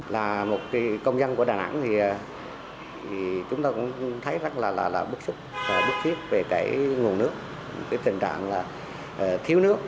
là một công dân của đà nẵng thì chúng ta cũng thấy rất là bức xúc bức xúc về cái nguồn nước cái tình trạng là thiếu nước